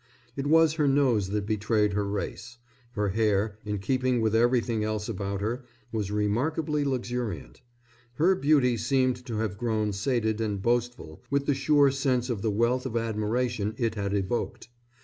It was her nose that betrayed her race. Her hair, in keeping with everything else about her, was remarkably luxuriant. Her beauty seemed to have grown sated and boastful with the sure sense of the wealth of admiration it had evoked.